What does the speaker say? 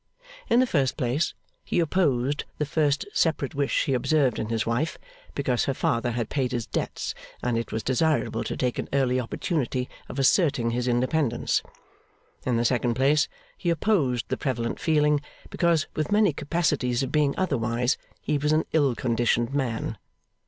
In the first place, he opposed the first separate wish he observed in his wife, because her father had paid his debts and it was desirable to take an early opportunity of asserting his independence. In the second place, he opposed the prevalent feeling, because with many capacities of being otherwise, he was an ill conditioned man.